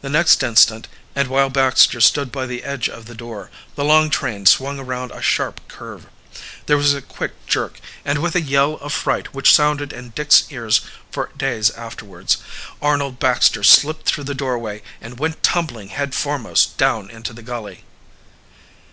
The next instant, and while Baxter stood by the edge of the door, the long train swung around a sharp curve. There was a quick jerk, and with a yell of fright which sounded in Dick's ears for days afterward, Arnold Baxter slipped through the doorway and went tumbling head foremost down into the gully!